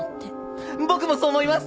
僕もそう思います！